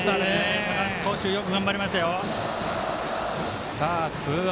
高橋投手、よく頑張りました。